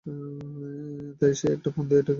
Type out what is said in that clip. তাই সে একটা ফন্দি এঁটে ম্যারোনিকে ধরা খাওয়ায়।